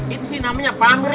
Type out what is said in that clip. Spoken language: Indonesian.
itu sih namanya pamer